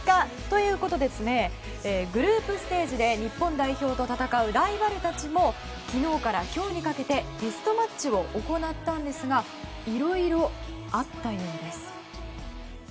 ということでグループステージで日本と戦うライバルたちも昨日から今日にかけてテストマッチを行ったんですがいろいろあったようです。